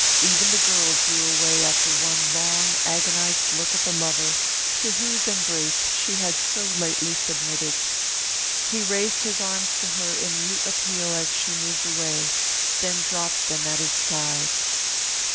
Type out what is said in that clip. Even the girl drew away after one long, agonized look at the lover to whose embrace she had so lately submitted. He raised his arms to her in mute appeal as she moved away, then dropped them at his side.